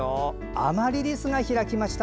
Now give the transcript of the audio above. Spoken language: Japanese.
アマリリスが開きました。